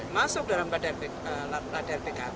masuk dalam radar pkb